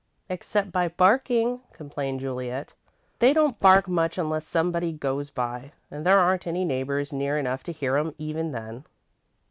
"Except by barking," complained Juliet. "They don't bark much unless somebody goes by, and there aren't any neighbours near enough to hear 'em, even then."